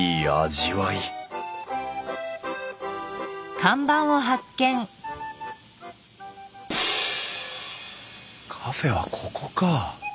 味わいカフェはここか！